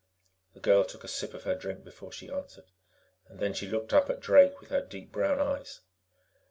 The girl took a sip of her drink before she answered. Then she looked up at Drake with her deep brown eyes.